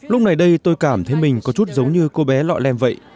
lúc này đây tôi cảm thấy mình có chút giống như cô bé lọ lem vậy